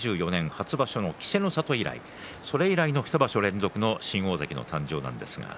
初場所の稀勢の里以来それ以来の２場所連続の新大関の誕生です。